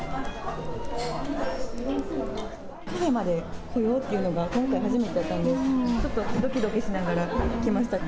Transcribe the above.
カフェまで来ようっていうのが、今回初めてだったんで、ちょっとどきどきしながら来ました。